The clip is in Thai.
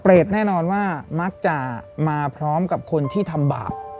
แน่นอนว่ามักจะมาพร้อมกับคนที่ทำบาป